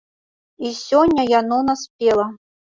І сёння яно наспела.